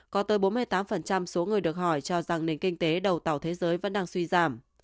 có tới bốn mươi tám số người được hỏi cho rằng nền kinh tế đầu tàu thế giới vẫn đang suy giảm